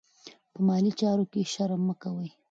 په مالي چارو کې شرم مه کوئ.